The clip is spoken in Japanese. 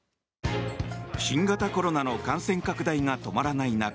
新型コロナの感染拡大が止まらない